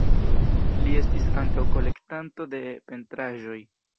Li estis ankaŭ kolektanto de pentraĵoj.